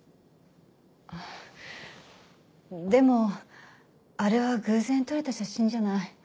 でもあれは偶然撮れた写真じゃない。